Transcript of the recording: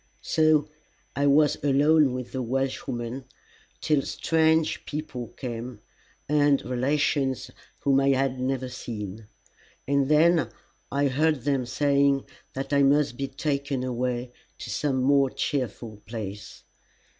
So I was alone with the Welshwoman till strange people came, and relations whom I had never seen; and then I heard them saying that I must be taken away to some more cheerful place.